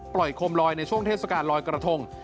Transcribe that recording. โคมลอยในช่วงเทศกาลลอยกระทง